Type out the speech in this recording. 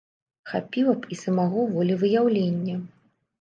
Хапіла б і самога волевыяўлення.